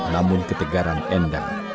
namun ketegaran endang